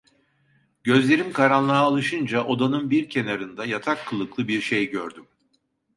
Gözlerim karanlığa alışınca odanın bir kenannda yatak kılıklı bir şey gördüm.